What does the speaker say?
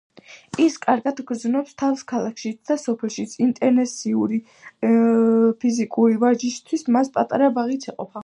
ის კარგად გრძნობს თავს ქალაქშიც და სოფელშიც: ინტენსიური ფიზიკური ვარჯიშისთვის მას პატარა ბაღიც ეყოფა.